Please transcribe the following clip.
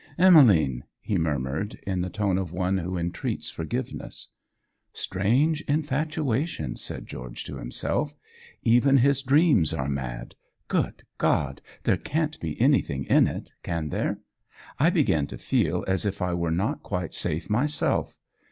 "Emmeline!" he murmured, in the tone of one who entreats forgiveness. "Strange infatuation!" said George to himself: "even his dreams are mad! Good God! there can't be anything in it can there? I begin to feel as if I were not quite safe myself.